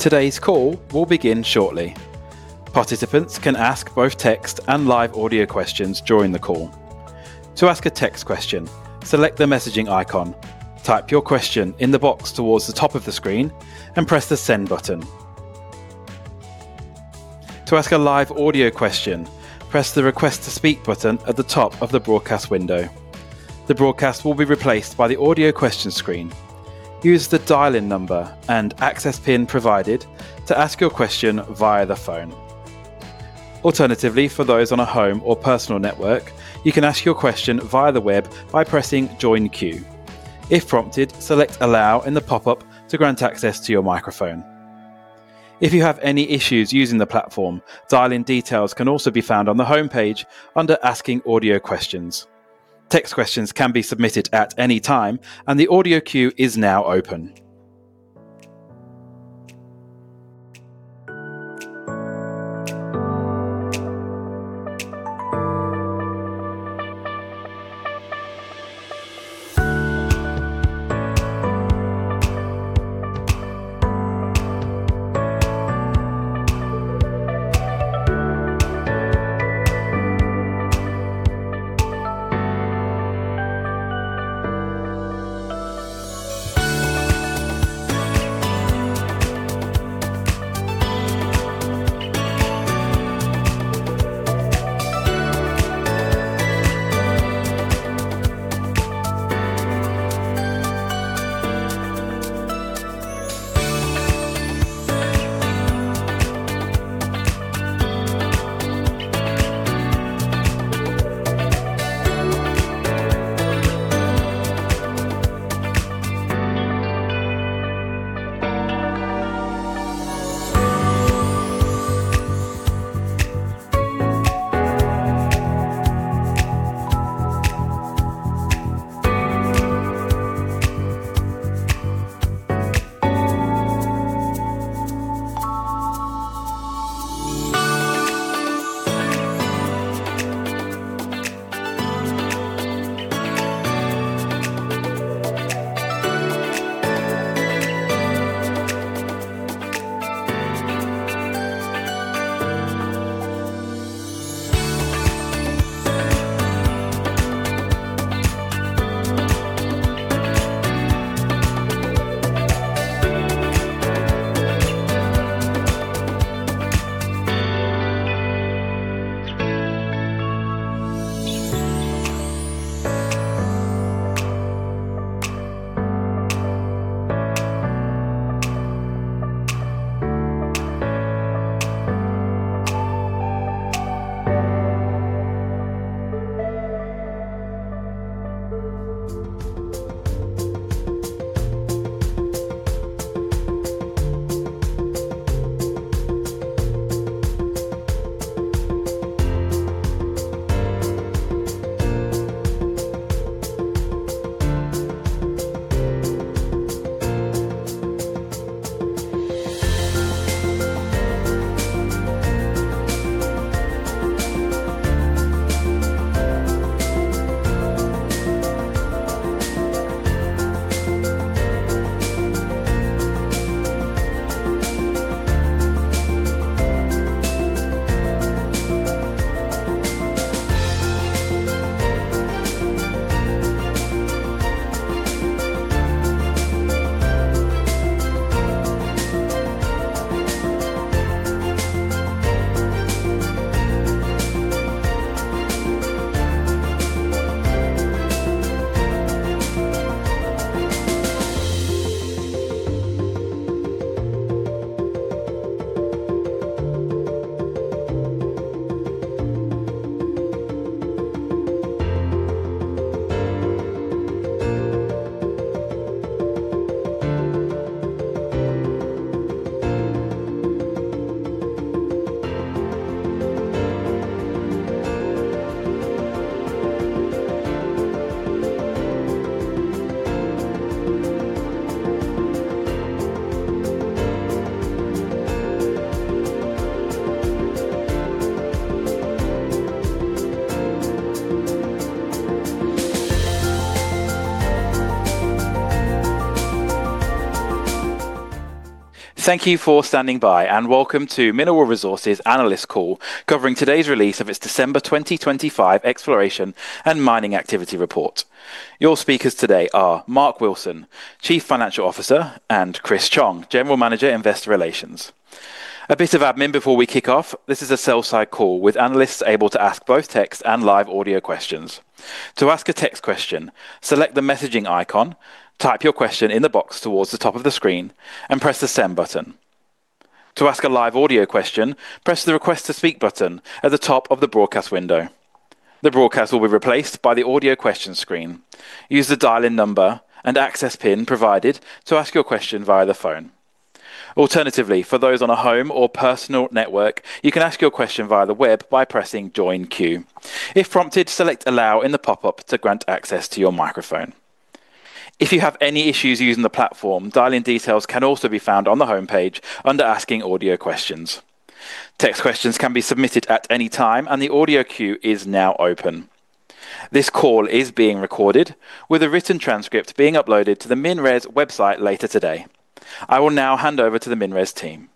Today's call will begin shortly. Participants can ask both text and live audio questions during the call. To ask a text question, select the messaging icon, type your question in the box towards the top of the screen, and press the Send button. To ask a live audio question, press the Request to Speak button at the top of the broadcast window. The broadcast will be replaced by the audio question screen. Use the dial-in number and access PIN provided to ask your question via the phone. Alternatively, for those on a home or personal network, you can ask your question via the web by pressing Join Queue. If prompted, select Allow in the pop-up to grant access to your microphone. If you have any issues using the platform, dial-in details can also be found on the homepage under Asking Audio Questions. Text questions can be submitted at any time, and the audio queue is now open. Thank you for standing by, and welcome to Mineral Resources Analyst Call, covering today's release of its December 2025 exploration and mining activity report. Your speakers today are Mark Wilson, Chief Financial Officer, and Chris Chong, General Manager, Investor Relations. A bit of admin before we kick off. This is a sell-side call, with analysts able to ask both text and live audio questions. To ask a text question, select the messaging icon, type your question in the box towards the top of the screen, and press the Send button. To ask a live audio question, press the Request to Speak button at the top of the broadcast window. The broadcast will be replaced by the audio question screen. Use the dial-in number and access PIN provided to ask your question via the phone. Alternatively, for those on a home or personal network, you can ask your question via the web by pressing Join Queue. If prompted, select Allow in the pop-up to grant access to your microphone. If you have any issues using the platform, dial-in details can also be found on the homepage under Asking Audio Questions. Text questions can be submitted at any time, and the audio queue is now open.... This call is being recorded, with a written transcript being uploaded to the MinRes website later today. I will now hand over to the MinRes team.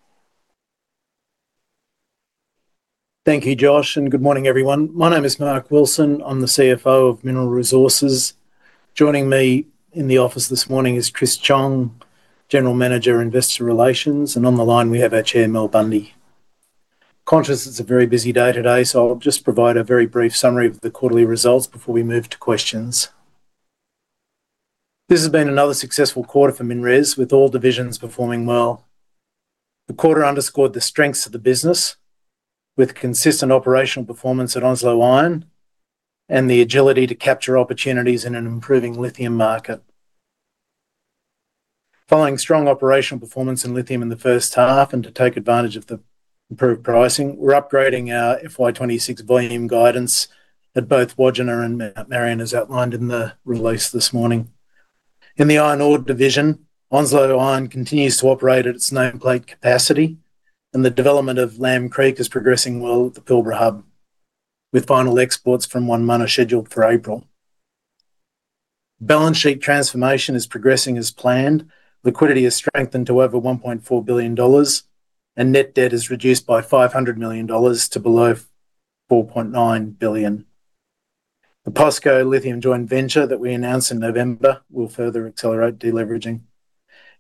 Thank you, Josh, and good morning, everyone. My name is Mark Wilson. I'm the CFO of Mineral Resources. Joining me in the office this morning is Chris Chong, General Manager, Investor Relations, and on the line we have our Chair, Mel Bundy. Conscious it's a very busy day today, so I'll just provide a very brief summary of the quarterly results before we move to questions. This has been another successful quarter for MinRes, with all divisions performing well. The quarter underscored the strengths of the business, with consistent operational performance at Onslow Iron and the agility to capture opportunities in an improving lithium market. Following strong operational performance in lithium in the first half and to take advantage of the improved pricing, we're upgrading our FY 26 volume guidance at both Wodgina and Mount Marion, as outlined in the release this morning. In the iron ore division, Onslow Iron continues to operate at its nameplate capacity, and the development of Lamb Creek is progressing well at the Pilbara Hub, with final exports from Wonmunna scheduled for April. Balance sheet transformation is progressing as planned. Liquidity has strengthened to over $1.4 billion, and net debt is reduced by $500 million to below $4.9 billion. The POSCO lithium joint venture that we announced in November will further accelerate de-leveraging.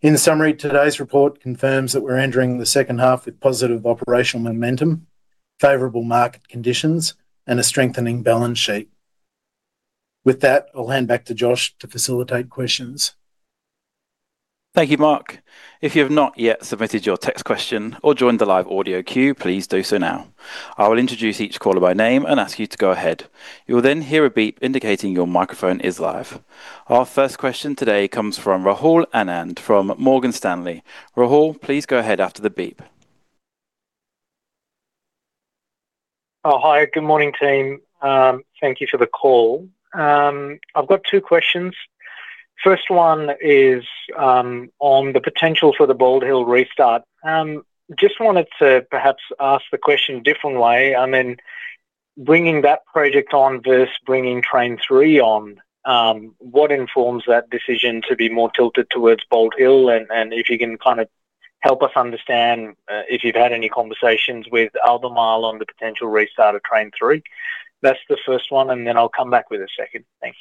In summary, today's report confirms that we're entering the second half with positive operational momentum, favorable market conditions, and a strengthening balance sheet. With that, I'll hand back to Josh to facilitate questions. Thank you, Mark. If you have not yet submitted your text question or joined the live audio queue, please do so now. I will introduce each caller by name and ask you to go ahead. You will then hear a beep indicating your microphone is live. Our first question today comes from Rahul Anand from Morgan Stanley. Rahul, please go ahead after the beep. Oh, hi, good morning, team. Thank you for the call. I've got two questions. First one is on the potential for the Bald Hill restart. Just wanted to perhaps ask the question a different way. I mean, bringing that project on versus bringing Train Three on, what informs that decision to be more tilted towards Bald Hill? And if you can kind of help us understand if you've had any conversations with Albemarle on the potential restart of Train Three. That's the first one, and then I'll come back with a second. Thanks.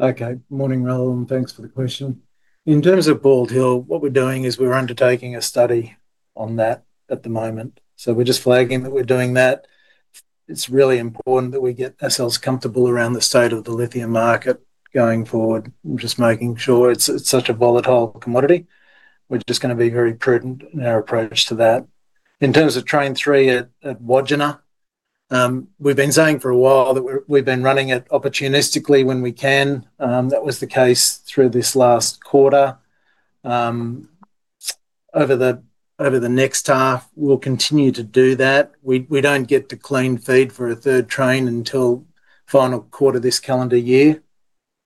Okay. Morning, Rahul, and thanks for the question. In terms of Bald Hill, what we're doing is we're undertaking a study on that at the moment, so we're just flagging that we're doing that. It's really important that we get ourselves comfortable around the state of the lithium market going forward. Just making sure it's such a volatile commodity. We're just gonna be very prudent in our approach to that. In terms of Train Three at Wodgina, we've been saying for a while that we've been running it opportunistically when we can. That was the case through this last quarter. Over the next half, we'll continue to do that. We don't get the clean feed for a third train until final quarter of this calendar year.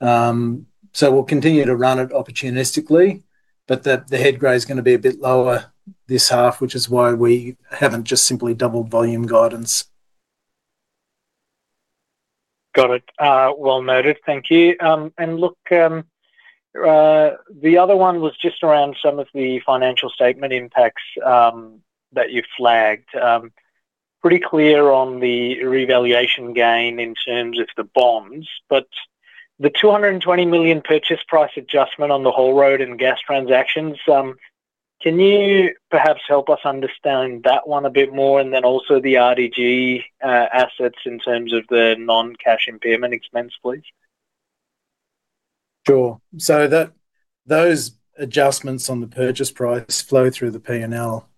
We'll continue to run it opportunistically, but the head grade is gonna be a bit lower this half, which is why we haven't just simply doubled volume guidance. Got it. Well noted. Thank you. And look, the other one was just around some of the financial statement impacts that you flagged. Pretty clear on the revaluation gain in terms of the bonds, but the $220 million purchase price adjustment on the Haul Road and gas transactions, can you perhaps help us understand that one a bit more, and then also the RDG assets in terms of the non-cash impairment expense, please? Sure. So that, those adjustments on the purchase price flow through the P&L,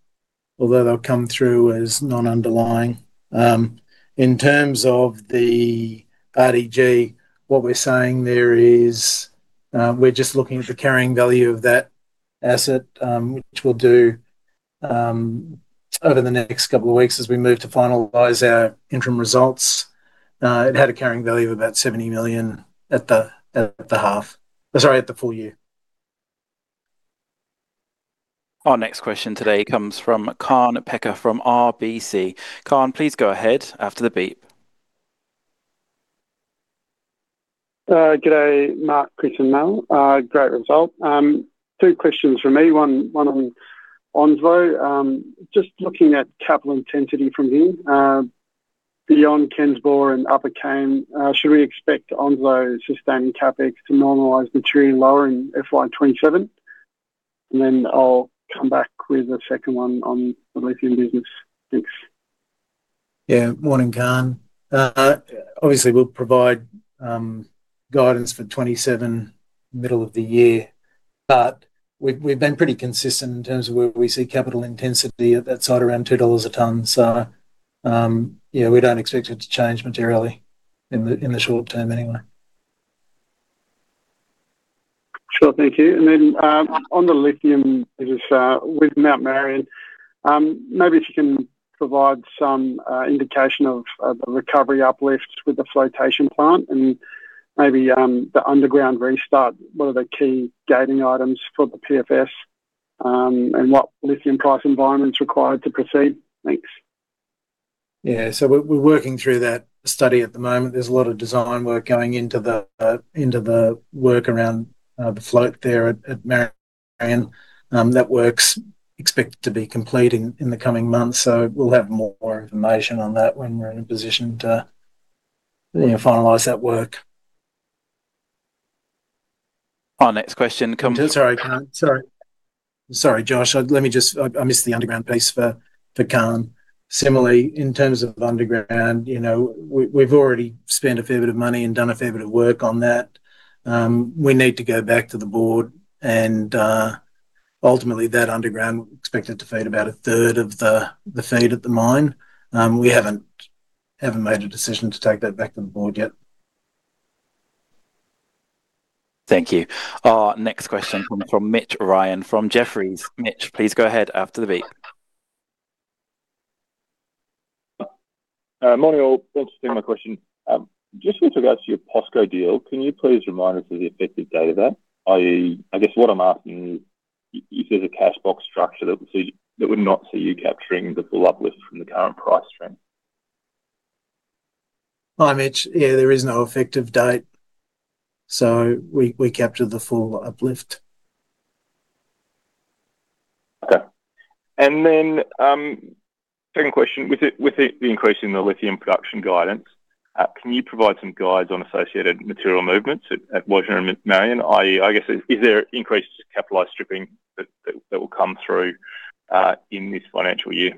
although they'll come through as non-underlying. In terms of the RDG, what we're saying there is, we're just looking for carrying value of that asset, which we'll do, over the next couple of weeks as we move to finalize our interim results. It had a carrying value of about $70 million at the full year. Our next question today comes from Kaan Peker from RBC. Kaan, please go ahead after the beep. Good day, Mark, Chris, and Mel. Great result. Two questions from me, one, one on Onslow. Just looking at capital intensity from here, beyond Ken's Bore and Upper Cane, should we expect Onslow's sustained CapEx to normalize materially lower in FY 2027? And then I'll come back with a second one on the lithium business. Thanks. Yeah, morning, Kaan. Obviously, we'll provide guidance for 2027 middle of the year, but we've been pretty consistent in terms of where we see capital intensity at that site, around $2 a ton. So, yeah, we don't expect it to change materially in the short term anyway. Sure, thank you. And then, on the lithium business, with Mount Marion, maybe if you can provide some indication of the recovery uplifts with the flotation plant and maybe the underground restart. What are the key gating items for the PFS?... and what lithium price environment is required to proceed? Thanks. Yeah, so we're working through that study at the moment. There's a lot of design work going into the work around the float there at Mount Marion. That work's expected to be completed in the coming months, so we'll have more information on that when we're in a position to, you know, finalize that work. Our next question comes- Sorry, Kaan. Sorry. Sorry, Josh, let me just... I missed the underground piece for Kaan. Similarly, in terms of underground, you know, we've already spent a fair bit of money and done a fair bit of work on that. We need to go back to the board and ultimately, that underground expected to feed about a third of the feed at the mine. We haven't made a decision to take that back to the board yet. Thank you. Our next question comes from Mitch Ryan, from Jefferies. Mitch, please go ahead after the beep. Morning, all. Thanks for taking my question. Just with regards to your POSCO deal, can you please remind us of the effective date of that? I guess what I'm asking is, is there's a cash box structure that would see, that would not see you capturing the full uplift from the current price trend? Hi, Mitch. Yeah, there is no effective date, so we capture the full uplift. Okay. And then, second question: With the increase in the lithium production guidance, can you provide some guides on associated material movements at Wodgina and Mount Marion? I guess, is there increases to capitalized stripping that will come through in this financial year?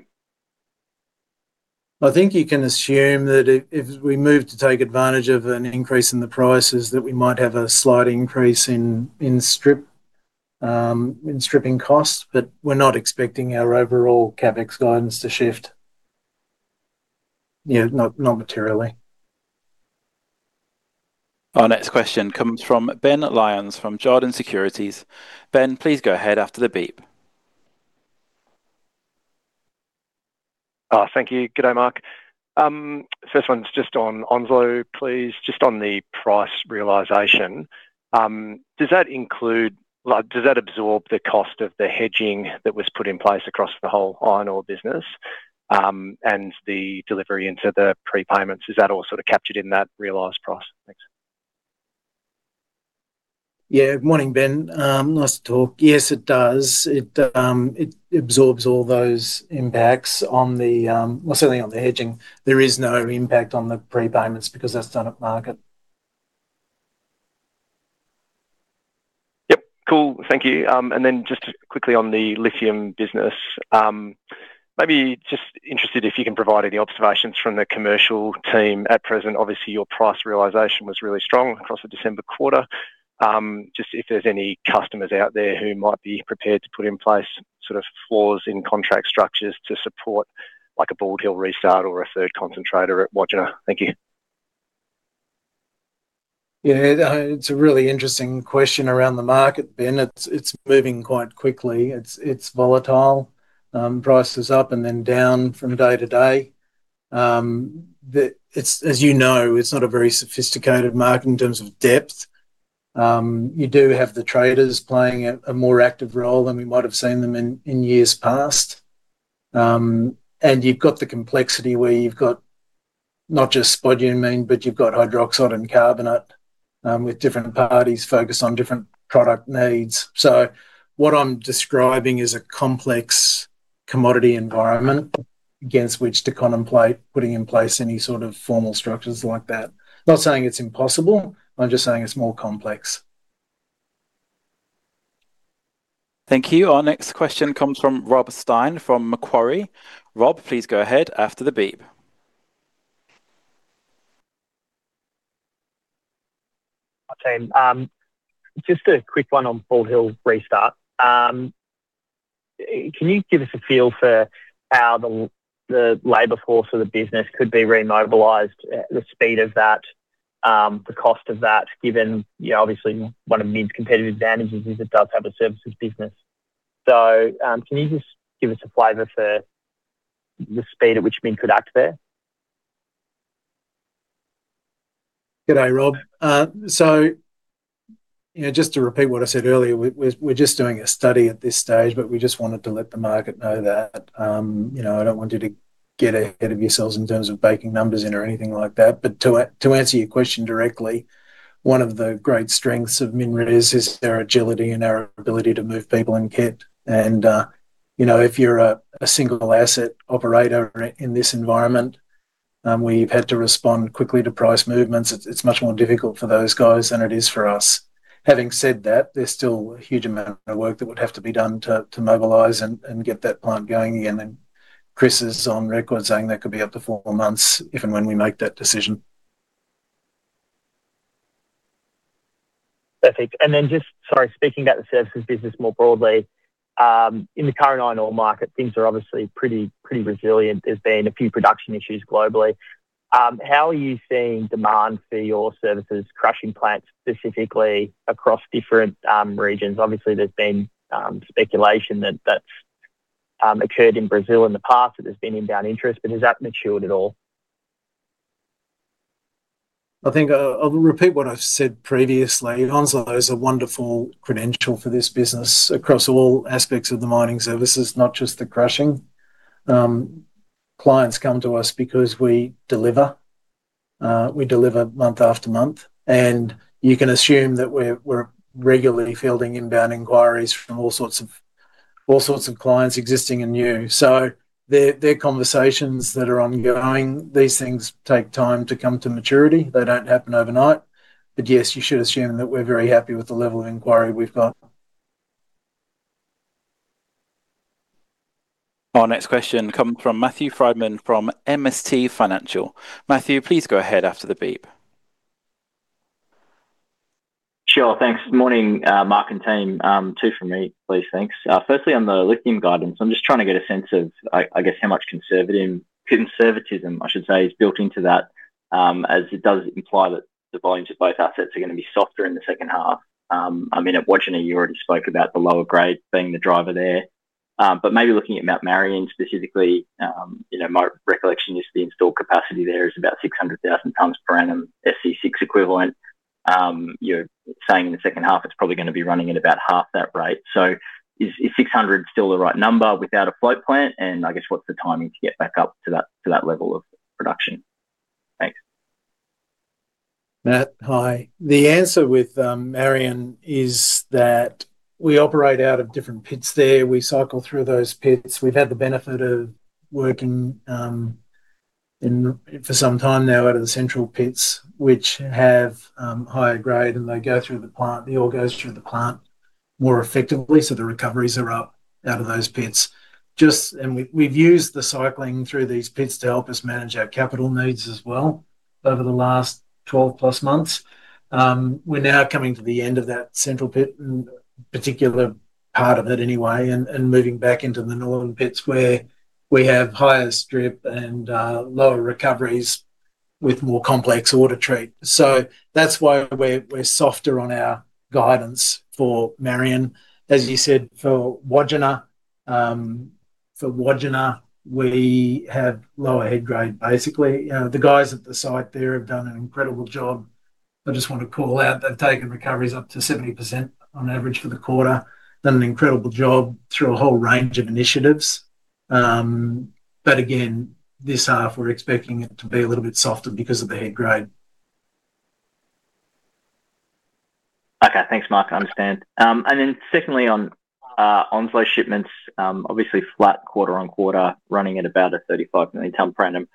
I think you can assume that if we move to take advantage of an increase in the prices, that we might have a slight increase in stripping costs, but we're not expecting our overall CapEx guidance to shift. Yeah, not materially. Our next question comes from Ben Lyons, from Jarden Securities. Ben, please go ahead after the beep. Thank you. Good day, Mark. First one's just on Onslow, please, just on the price realization. Does that include... Like, does that absorb the cost of the hedging that was put in place across the whole iron ore business, and the delivery into the prepayments? Is that all sort of captured in that realized price? Thanks. Yeah. Morning, Ben. Nice to talk. Yes, it does. It, it absorbs all those impacts on the, well, certainly on the hedging. There is no impact on the prepayments because that's done at market. Yep. Cool. Thank you. And then just quickly on the lithium business, maybe just interested if you can provide any observations from the commercial team. At present, obviously, your price realization was really strong across the December quarter. Just if there's any customers out there who might be prepared to put in place sort of floors in contract structures to support, like, a Bald Hill restart or a third concentrator at Wodgina. Thank you. Yeah, it's a really interesting question around the market, Ben. It's moving quite quickly. It's volatile. Price is up and then down from day to day. It's, as you know, not a very sophisticated market in terms of depth. You do have the traders playing a more active role than we might have seen them in years past. And you've got the complexity where you've got not just spodumene, but you've got hydroxide and carbonate, with different parties focused on different product needs. So what I'm describing is a complex commodity environment against which to contemplate putting in place any sort of formal structures like that. Not saying it's impossible, I'm just saying it's more complex. Thank you. Our next question comes from Rob Stein, from Macquarie. Rob, please go ahead after the beep. Hi, team. Just a quick one on Bald Hill restart. Can you give us a feel for how the, the labor force of the business could be remobilized, the speed of that, the cost of that, given, you know, obviously one of Min's competitive advantages is it does have a services business. So, can you just give us a flavor for the speed at which Min could act there? Good day, Rob. So, you know, just to repeat what I said earlier, we're just doing a study at this stage, but we just wanted to let the market know that, you know, I don't want you to get ahead of yourselves in terms of baking numbers in or anything like that. But to answer your question directly, one of the great strengths of MinRes is their agility and our ability to move people and kit. And, you know, if you're a single asset operator in this environment, we've had to respond quickly to price movements. It's much more difficult for those guys than it is for us. Having said that, there's still a huge amount of work that would have to be done to mobilize and get that plant going again, and Chris is on record saying that could be up to four months if and when we make that decision. Perfect. Then just, sorry, speaking about the services business more broadly, in the current iron ore market, things are obviously pretty, pretty resilient. There's been a few production issues globally. How are you seeing demand for your services, crushing plants, specifically across different regions? Obviously, there's been speculation that that's occurred in Brazil in the past, that there's been inbound interest, but has that matured at all?... I think I'll repeat what I've said previously. Onslow is a wonderful credential for this business across all aspects of the mining services, not just the crushing. Clients come to us because we deliver, we deliver month after month, and you can assume that we're regularly fielding inbound inquiries from all sorts of clients, existing and new. So they're conversations that are ongoing. These things take time to come to maturity. They don't happen overnight. But yes, you should assume that we're very happy with the level of inquiry we've got. Our next question comes from Matthew Frydman from MST Financial. Matthew, please go ahead after the beep. Sure, thanks. Morning, Mark and team. Two from me, please. Thanks. Firstly, on the lithium guidance, I'm just trying to get a sense of, I guess, how much conservative- conservatism, I should say, is built into that, as it does imply that the volumes of both assets are gonna be softer in the second half. I mean, at Wodgina, you already spoke about the lower grade being the driver there. But maybe looking at Mount Marion specifically, you know, my recollection is the installed capacity there is about 600,000 tons per annum, SC6 equivalent. You're saying in the second half, it's probably gonna be running at about half that rate. So is, is 600 still the right number without a float plant? I guess what's the timing to get back up to that, to that level of production? Thanks. Matt, hi. The answer with Mount Marion is that we operate out of different pits there. We cycle through those pits. We've had the benefit of working for some time now out of the central pits, which have higher grade, and they go through the plant, the ore goes through the plant more effectively, so the recoveries are up out of those pits. And we've used the cycling through these pits to help us manage our capital needs as well over the last 12+ months. We're now coming to the end of that central pit, and particular part of it anyway, and moving back into the northern pits, where we have higher strip and lower recoveries with more complex ore to treat. So that's why we're softer on our guidance for Mount Marion. As you said, for Wodgina, for Wodgina, we have lower head grade, basically. You know, the guys at the site there have done an incredible job. I just want to call out, they've taken recoveries up to 70% on average for the quarter. Done an incredible job through a whole range of initiatives. But again, this half, we're expecting it to be a little bit softer because of the head grade. Okay. Thanks, Mark. I understand. And then secondly, on Onslow shipments, obviously flat quarter-on-quarter, running at about a 35 million ton per annum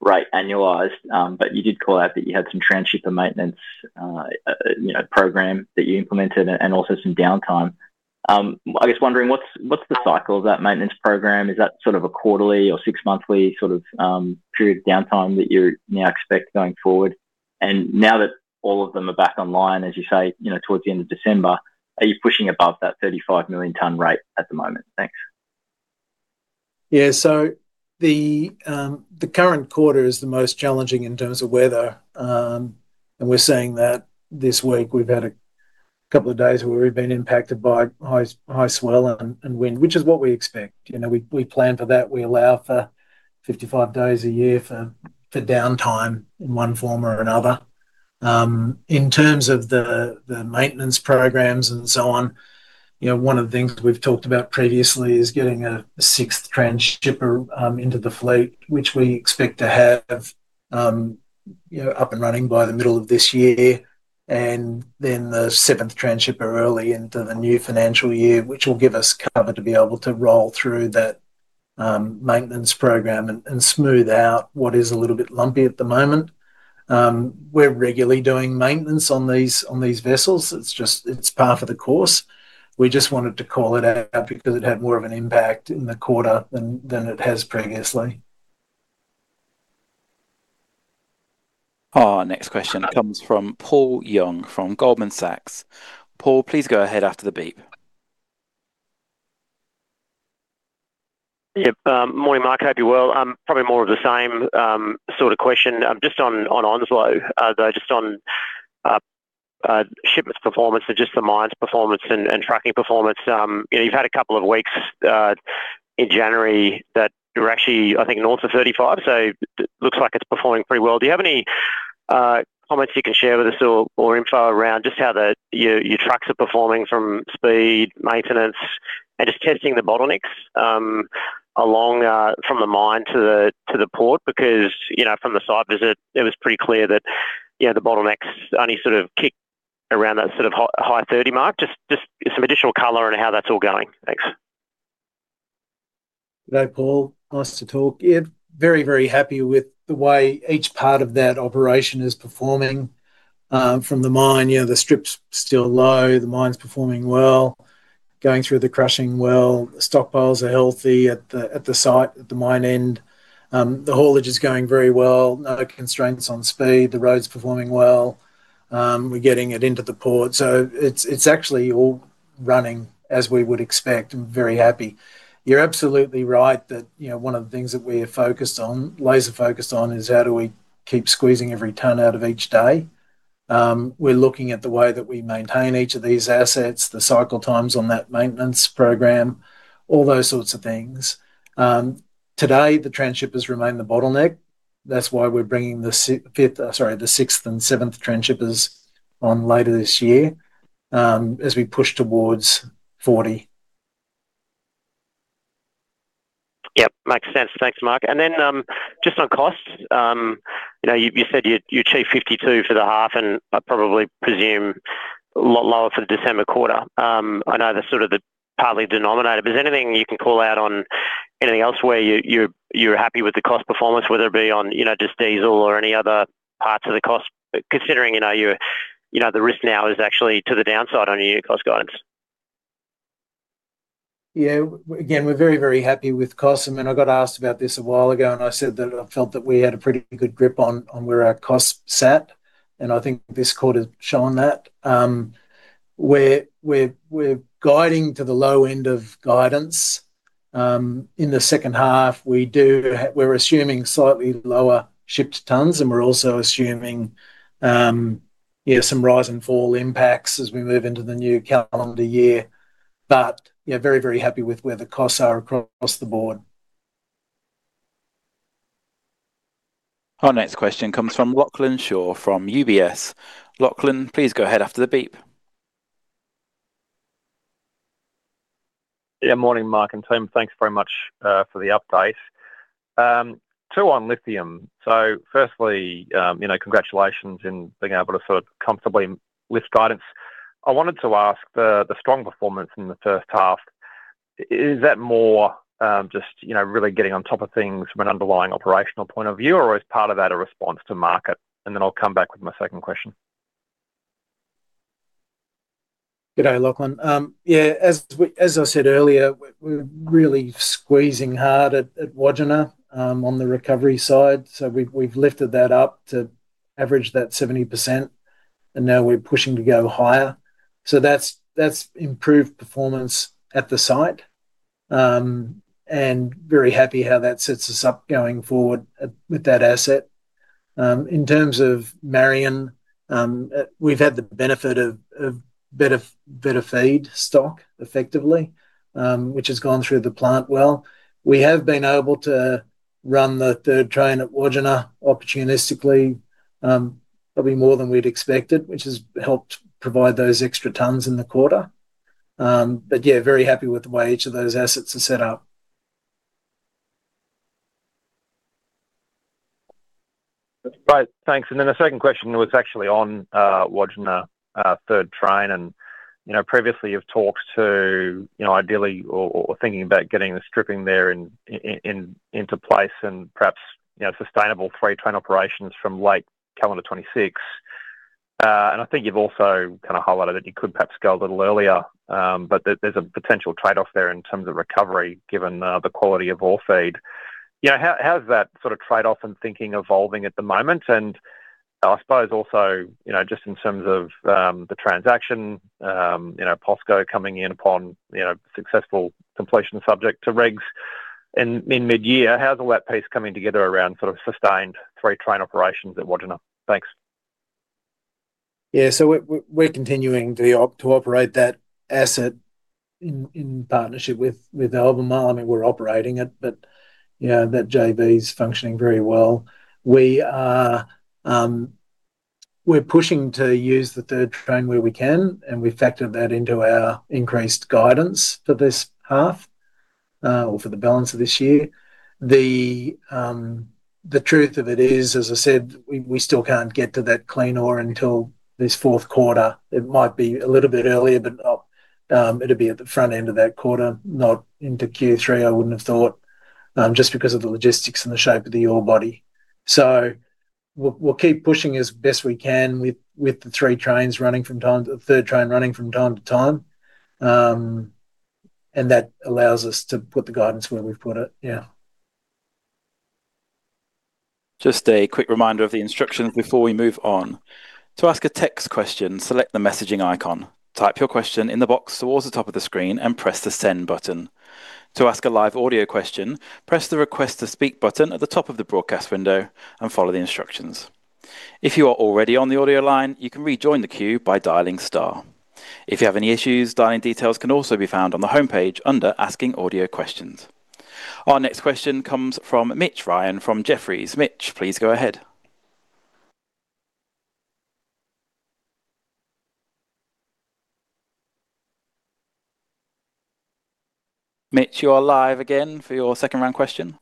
rate, annualized. But you did call out that you had some transhipper maintenance, you know, program that you implemented and also some downtime. I was wondering, what's the cycle of that maintenance program? Is that sort of a quarterly or six-monthly sort of period of downtime that you now expect going forward? And now that all of them are back online, as you say, you know, towards the end of December, are you pushing above that 35 million ton rate at the moment? Thanks. Yeah, so the current quarter is the most challenging in terms of weather. We're seeing that this week. We've had a couple of days where we've been impacted by high swell and wind, which is what we expect. You know, we plan for that. We allow for 55 days a year for downtime in one form or another. In terms of the maintenance programs and so on, you know, one of the things we've talked about previously is getting a sixth transhipper into the fleet, which we expect to have up and running by the middle of this year. And then the seventh transhipper early into the new financial year, which will give us cover to be able to roll through that, maintenance program and, and smooth out what is a little bit lumpy at the moment. We're regularly doing maintenance on these, on these vessels. It's just, it's par for the course. We just wanted to call it out because it had more of an impact in the quarter than, than it has previously. Our next question comes from Paul Young, from Goldman Sachs. Paul, please go ahead after the beep. Yep. Morning, Mark. Hope you're well. Probably more of the same, sort of question. Just on Onslow, though, just on shipments performance and just the mine's performance and tracking performance. You know, you've had a couple of weeks in January that were actually, I think, north of 35, so looks like it's performing pretty well. Do you have any comments you can share with us or info around just how your trucks are performing from speed, maintenance, and just testing the bottlenecks along from the mine to the port? Because, you know, from the site visit, it was pretty clear that, you know, the bottlenecks only sort of kicked around that sort of high thirty mark. Just some additional color on how that's all going. Thanks. Good day, Paul. Nice to talk. Yeah, very, very happy with the way each part of that operation is performing. From the mine, you know, the strip's still low, the mine's performing well, going through the crushing well. Stockpiles are healthy at the site, at the mine end. The haulage is going very well. No constraints on speed. The road's performing well. We're getting it into the port. So it's actually all running as we would expect, and very happy. You're absolutely right that, you know, one of the things that we are focused on, laser focused on, is how do we keep squeezing every ton out of each day? We're looking at the way that we maintain each of these assets, the cycle times on that maintenance program, all those sorts of things. Today, the transhipper has remained the bottleneck. That's why we're bringing the fifth, sorry, the sixth and seventh transhippers on later this year, as we push towards 40. Yep, makes sense. Thanks, Mark. And then, just on costs, you know, you said you achieved $52 for the half, and I probably presume a lot lower for the December quarter. I know that's sort of the partly denominator, but is there anything you can call out on anything else where you're happy with the cost performance, whether it be on, you know, just diesel or any other parts of the cost, considering, you know, the risk now is actually to the downside on your unit cost guidance? Yeah. Again, we're very, very happy with costs. I mean, I got asked about this a while ago, and I said that I felt that we had a pretty good grip on where our costs sat, and I think this quarter has shown that. We're guiding to the low end of guidance. In the second half, we're assuming slightly lower shipped tonnes, and we're also assuming yeah, some rise and fall impacts as we move into the new calendar year. But yeah, very, very happy with where the costs are across the board. Our next question comes from Lachlan Shaw from UBS. Lachlan, please go ahead after the beep. Yeah, morning, Mark and team. Thanks very much for the update. Two on lithium. So firstly, you know, congratulations in being able to sort of comfortably lift guidance. I wanted to ask the strong performance in the first half, is that more, just, you know, really getting on top of things from an underlying operational point of view? Or is part of that a response to market? And then I'll come back with my second question. Good day, Lachlan. Yeah, as I said earlier, we're really squeezing hard at Wodgina on the recovery side. So we've lifted that up to average that 70%, and now we're pushing to go higher. So that's improved performance at the site. And very happy how that sets us up going forward with that asset. In terms of Mount Marion, we've had the benefit of better feed stock effectively, which has gone through the plant well. We have been able to run the third train at Wodgina opportunistically, probably more than we'd expected, which has helped provide those extra tons in the quarter. But yeah, very happy with the way each of those assets are set up. That's great. Thanks. And then the second question was actually on Wodgina, third train. And, you know, previously you've talked to, you know, ideally or thinking about getting the stripping there in into place and perhaps, you know, sustainable three-train operations from late calendar 2026. And I think you've also kind of highlighted that you could perhaps go a little earlier, but there, there's a potential trade-off there in terms of recovery, given the quality of ore feed. You know, how's that sort of trade-off and thinking evolving at the moment? And I suppose also, you know, just in terms of the transaction, you know, POSCO coming in upon, you know, successful completion subject to regs in mid-year, how's all that piece coming together around sort of sustained three-train operations at Wodgina? Thanks. Yeah. So we're continuing to operate that asset in partnership with Albemarle. I mean, we're operating it, but, you know, that JV is functioning very well. We're pushing to use the third train where we can, and we've factored that into our increased guidance for this half or for the balance of this year. The truth of it is, as I said, we still can't get to that clean ore until this fourth quarter. It might be a little bit earlier, but it'll be at the front end of that quarter, not into Q3, I wouldn't have thought, just because of the logistics and the shape of the ore body. So we'll keep pushing as best we can with the three trains running from time to... the third train running from time to time. And that allows us to put the guidance where we've put it. Yeah. Just a quick reminder of the instructions before we move on. To ask a text question, select the messaging icon. Type your question in the box towards the top of the screen and press the send button. To ask a live audio question, press the Request to Speak button at the top of the broadcast window and follow the instructions. If you are already on the audio line, you can rejoin the queue by dialing star. If you have any issues, dialing details can also be found on the homepage under Asking Audio Questions. Our next question comes from Mitch Ryan from Jefferies. Mitch, please go ahead. Mitch, you are live again for your second-round question.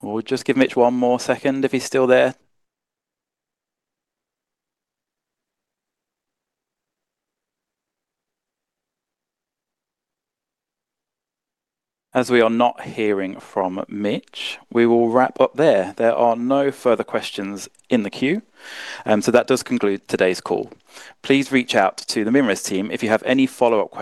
We'll just give Mitch one more second if he's still there. As we are not hearing from Mitch, we will wrap up there. There are no further questions in the queue, and so that does conclude today's call. Please reach out to the MinRes team if you have any follow-up questions-